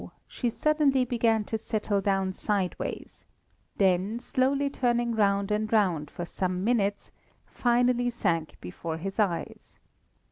she suddenly began to settle down sideways, then, slowly turning round and round for some minutes, finally sank before his eyes.